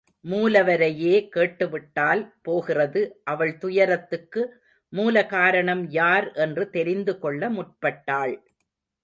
மூலவரையே கேட்டுவிட்டால் போகிறது அவள் துயரத்துக்கு மூல காரணம் யார் என்று தெரிந்து கொள்ள முற்பட்டாள்.